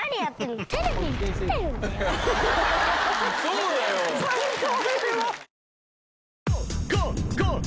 そうだよ！最高！